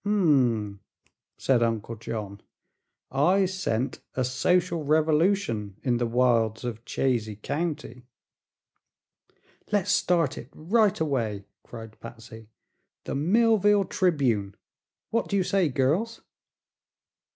"H m," said Uncle John; "I scent a social revolution in the wilds of Chazy County." "Let's start it right away!" cried Patsy. "The 'Millville Tribune.' What do you say, girls?"